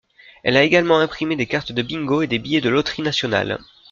Elle a également imprimé des cartes de bingo et des billets de loteries nationales.